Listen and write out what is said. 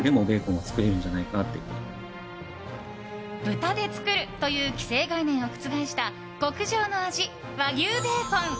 豚で作るという既成概念を覆した極上の味、和牛ベーコン。